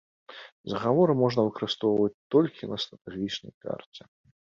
Загаворы можна выкарыстоўваць толькі на стратэгічнай карце.